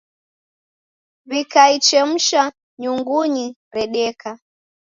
Wikaichemusha nyungunyi redeka.